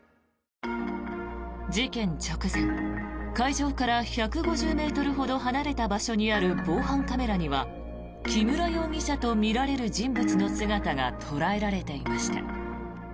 事件直前、会場から１５０ｍほど離れた場所にある防犯カメラには木村容疑者とみられる人物の姿が捉えられていました。